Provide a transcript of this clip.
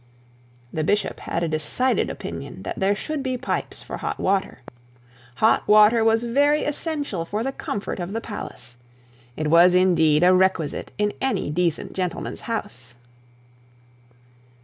The bishop had a decided opinion that there should be pipes for hot water. Hot water was very essential for the comfort of the palace. It was, indeed, a requisite in any decent gentleman's house.